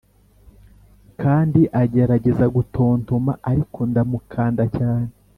kandi agerageza gutontoma, ariko ndamukanda cyane: